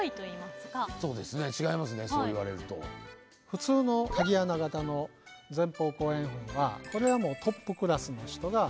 普通の鍵穴形の前方後円墳はこれはもうトップクラスの人が入る。